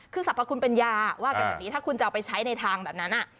คือสรรพคุณเป็นยาว่ากันแบบนี้ถ้าคุณจะเอาไปใช้ในทางแบบนั้น